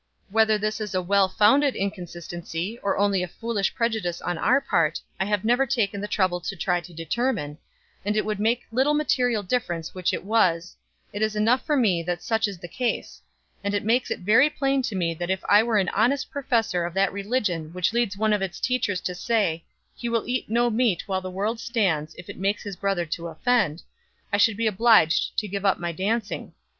Whether this is a well founded inconsistency, or only a foolish prejudice on our part, I have never taken the trouble to try to determine, and it would make little material difference which it was it is enough for me that such is the case; and it makes it very plain to me that if I were an honest professor of that religion which leads one of its teachers to say, 'He will eat no meat while the world stands if it makes his brother to offend,' I should be obliged to give up my dancing.